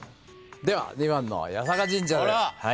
では２番の八坂神社で。